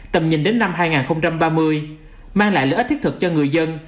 tầm nhìn đến năm hai nghìn ba mươi mang lại lợi ích thiết thực cho người dân